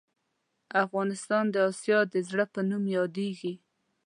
افغانستان د اسیا د زړه په نوم یادیږې